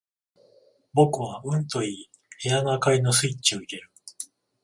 僕はうんと言い、部屋の灯りのスイッチを入れる。